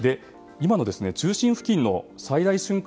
中心付近の最大瞬間